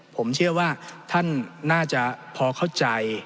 ผมเชื่อว่าท่านน่าจะพอเข้าใจ